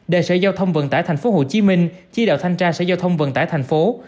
đề sở giao thông vận tải tp hcm chi đạo thanh tra sở giao thông vận tải tp hcm